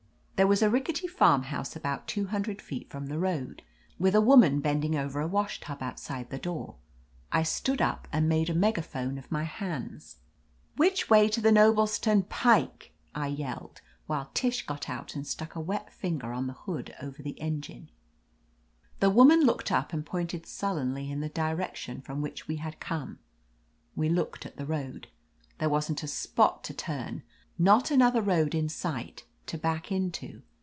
There was a rickety farmhouse about two hun dred feet from the road, with a woman bend ing over a washtub outside the door. I stood up and made a megaphone of my hands. "Which way to the Noblestown Pike?" I yelled, while Tish got out and stuck a wet finger on the hood over the engine. The woman looked up and pointed sullenly in the direction from which we had come. We looked at the road. There wasn't a spot to turn — not another road in sight to back into.